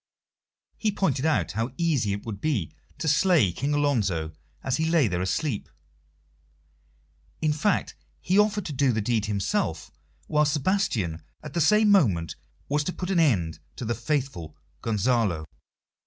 He pointed out how easy it would be to slay King Alonso as he lay there asleep; in fact, he offered to do the deed himself, while Sebastian at the same moment was to put an end to the faithful Gonzalo.